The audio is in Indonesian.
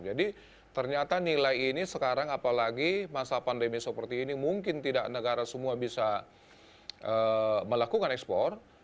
jadi ternyata nilai ini sekarang apalagi masa pandemi seperti ini mungkin tidak negara semua bisa melakukan ekspor